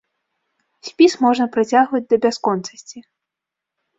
Спіс можна працягваць да бясконцасці.